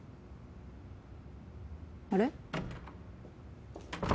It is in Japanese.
あれ？